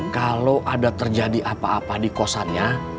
kalau ada terjadi apa apa di kosannya